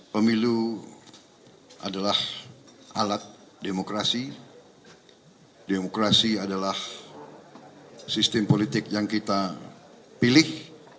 pemilu adalah alat demokrasi demokrasi adalah sistem politik yang kita pilih